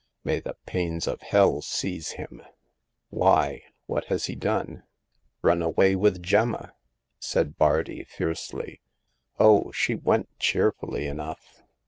May the pains of hell seize him !"" Why ? What has he done ?"" Run away with Gemma," said Bardi, fiercely. Oh, she went cheerfully enough.